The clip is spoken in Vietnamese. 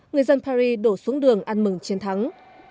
người dân paris đổ xuống đường ăn mừng chiến thắng